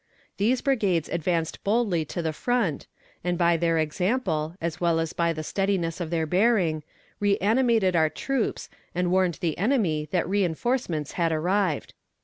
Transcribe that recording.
These brigades advanced boldly to the front, and by their example, as well as by the steadiness of their bearing, reanimated our troops and warned the enemy that reinforcements had arrived.